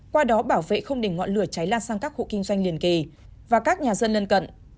qua đó bảo vệ không để ngọn lửa cháy lan sang các hộ kinh doanh liền kề và các nhà dân lân cận